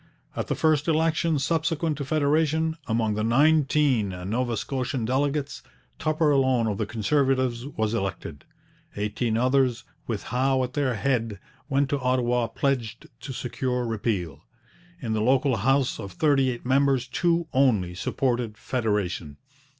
At the first election subsequent to federation, among the nineteen Nova Scotian delegates, Tupper alone of the Conservatives was elected. Eighteen others, with Howe at their head, went to Ottawa pledged to secure repeal. In the local house, of thirty eight members two only supported federation.